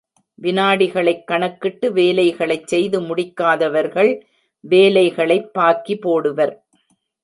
விநாடிகளைக் கணக்கிட்டு வேலைகளைச் செய்து முடிக்காதவர்கள் வேலைகளைப் பாக்கி போடுவர்.